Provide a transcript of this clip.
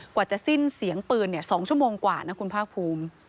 กว่าจะสิ้นเสียงปืน๒ชั่วโมงกว่านะคุณภาคภูมิ